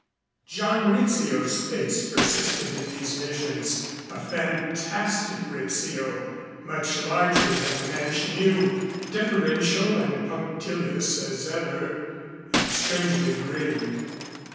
John Rizzio's face persisted in these visions, a fantastic Rizzio, much larger than the man she knew, deferential and punctilious as ever, and strangely grave.